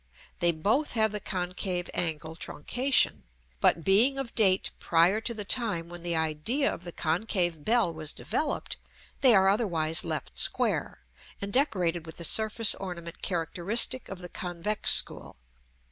They both have the concave angle truncation; but being of date prior to the time when the idea of the concave bell was developed, they are otherwise left square, and decorated with the surface ornament characteristic of the convex school.